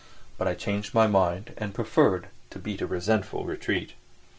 But I changed my mind and preferred to beat a resentful retreat.